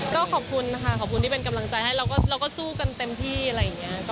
ก็ขอบคุณค่ะขอบคุณที่เป็นกำลังใจให้เราก็สู้กันเต็มที่อะไรอย่างนี้